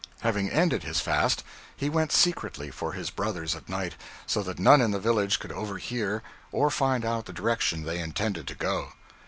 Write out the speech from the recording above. Having ended his fast, he went secretly for his brothers at night, so that none in the village could overhear or find out the direction they intended to go.